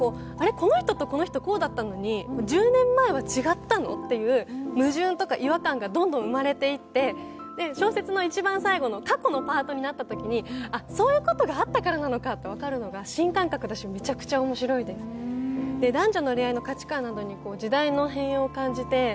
この人とこの人こうだったのに１０年前は違ったの？という矛盾とか違和感がどんどん生まれていって小説の一番最後の過去のパートになったときに、そういうことがあったからなのかと分かるのが新感覚だしメイン料理に必要なのはボリュームとバランス。